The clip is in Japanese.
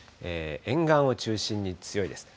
沿岸を中心に強いです。